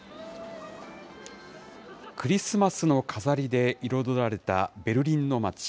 クリスマスの飾りで彩られたベルリンの街。